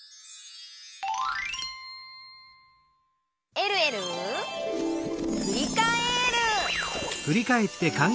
「えるえるふりかえる」